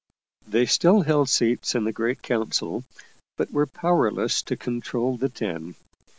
They still held seats in the Great Council, but were powerless to control the Ten.